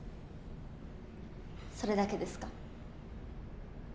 それだけですか。